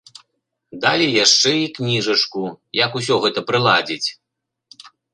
Далі яшчэ і кніжачку, як усё гэта прыладзіць.